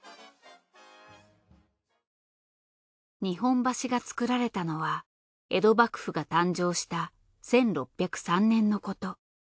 日本橋が造られたのは江戸幕府が誕生した１６０３年のこと。